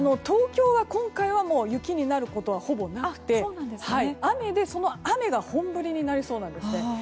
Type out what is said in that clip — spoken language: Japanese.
東京は今回は雪になることはほぼなくて、雨でその雨が本降りになりそうです。